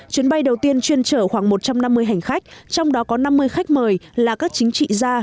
chuyến bay đầu tiên chuyên chở khoảng một trăm năm mươi hành khách trong đó có năm mươi khách mời là các chính trị gia